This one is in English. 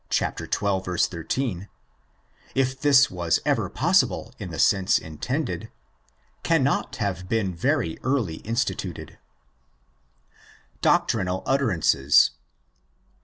13)—if this was ever possible in the sense intended—cannot have been very early instituted. Doctrinal Utterances.